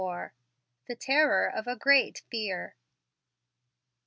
THE TERROR OF A GREAT FEAR.